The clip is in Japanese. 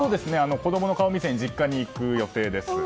子供の顔見せに実家に行く予定です。